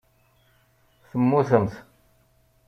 Temmutemt.